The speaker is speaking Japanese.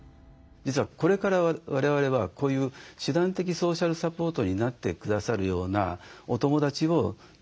実はこれから我々はこういう手段的ソーシャルサポートになってくださるようなお友だちを作っていけばいいと思うんですね。